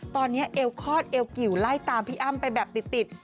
ตอนนี้เอวคลอดเอวกิวไล่ตามพี่อ้ำไปแบบติด